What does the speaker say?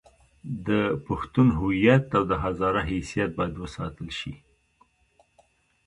د پښتون هویت او د هزاره حیثیت باید وساتل شي.